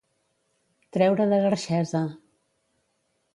Treure de guerxesa.